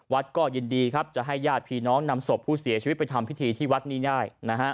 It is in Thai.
ก็ยินดีครับจะให้ญาติพี่น้องนำศพผู้เสียชีวิตไปทำพิธีที่วัดนี้ได้นะฮะ